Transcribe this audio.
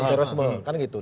ham terorisme kan gitu